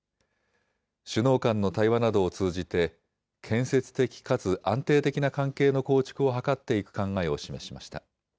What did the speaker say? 首脳間の対話などを通じて建設的かつ安定的な関係の構築を図っていく考えを示しました。